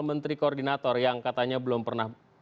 menteri koordinator yang katanya belum pernah